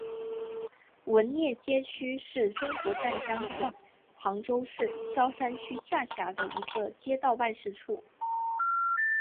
闻堰街道是中国浙江省杭州市萧山区下辖的一个街道办事处。